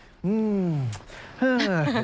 อืม